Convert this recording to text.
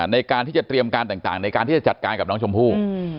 ในการที่จะเตรียมการต่างในการที่จะจัดการกับน้องชมพู่